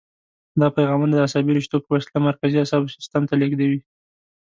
دا پیغامونه د عصبي رشتو په وسیله مرکزي اعصابو سیستم ته لېږدوي.